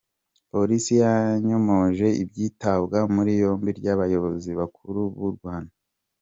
Polisi yanyomoje iby’itabwa muri yombi ry’abayobozi bakuru b’u Rwanda